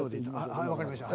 はいわかりました。